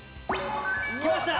来ました！